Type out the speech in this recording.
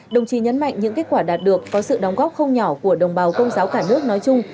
đồng chí nhấn mạnh những kết quả đạt được có sự đóng góp không nhỏ của đồng bào công giáo cả nước nói chung